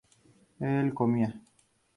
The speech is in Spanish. él comía